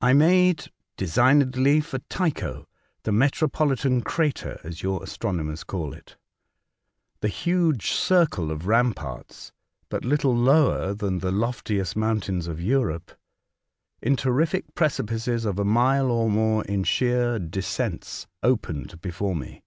I made designedly for Tycho, — the metro politan crater, as your astronomers call it. The huge circle of ramparts (but little lower than the loftiest mountains of Europe), in terrific precipices of a mile or more in sheer descents, opened before me.